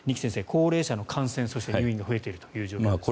高齢者の感染そして入院が増えているという状況です。